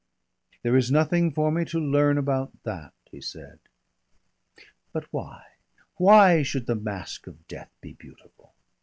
"There is nothing for me to learn about that," he said. "But why why should the mask of death be beautiful?